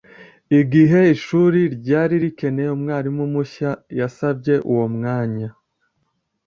Igihe ishuri ryari rikeneye umwarimu mushya, yasabye uwo mwanya.